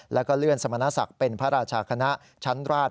แล้วก็เลื่อนสมณศักดิ์เป็นพระราชาคณะชั้นราช